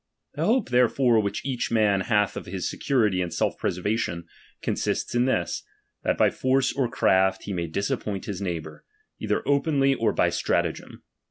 The hope therefore which each man hath of his security and self preserva tion, consists in this, that by force or craft he may disappoint his neighbour, either openly or by stra tagem.